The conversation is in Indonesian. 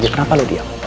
kenapa lo diam